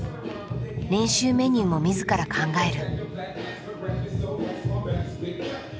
練習メニューも自ら考える。